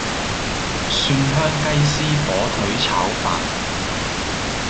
蒜香雞絲火腿炒飯